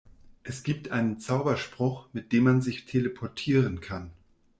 Es gibt einen Zauberspruch, mit dem man sich teleportieren kann.